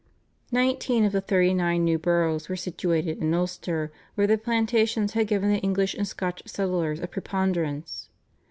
Nineteen of the thirty nine new boroughs were situated in Ulster, where the plantations had given the English and Scotch settlers a preponderance.